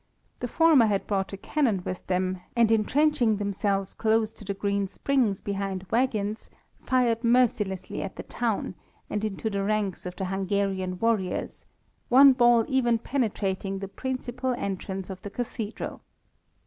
The former had brought a cannon with them, and entrenching themselves close to the Green Springs behind waggons, fired mercilessly at the town, and into the ranks of the Hungarian warriors, one ball even penetrating the principal entrance of the cathedral.